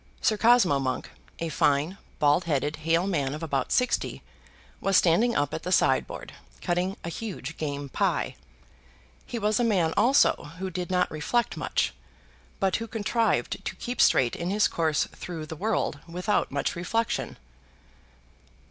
Sir Cosmo Monk, a fine bald headed hale man of about sixty, was standing up at the sideboard, cutting a huge game pie. He was a man also who did not reflect much, but who contrived to keep straight in his course through the world without much reflection.